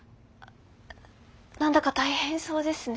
何だか大変そうですね。